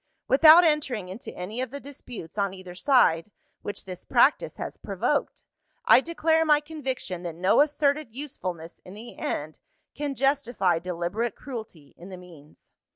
Without entering into any of the disputes on either side, which this practice has provoked, I declare my conviction that no asserted usefulness in the end, can justify deliberate cruelty in the means.